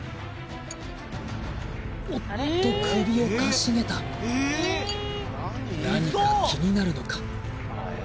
おっと首をかしげた何か気になるのか？